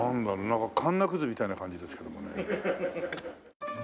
なんかカンナくずみたいな感じですけどもね。